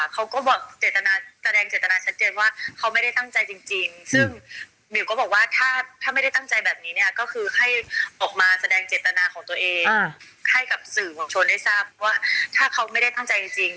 ของตัวเองให้กับสื่อของชนให้ทราบว่าถ้าเขาไม่ได้ตั้งใจจริงจริง